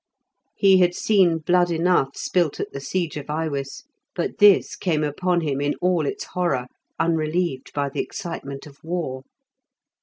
He had seen blood enough spilt at the siege of Iwis, but this came upon him in all its horror unrelieved by the excitement of war.